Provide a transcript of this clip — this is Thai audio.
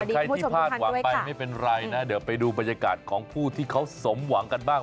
ใครที่พลาดหวังไปไม่เป็นไรนะเดี๋ยวไปดูบรรยากาศของผู้ที่เขาสมหวังกันบ้าง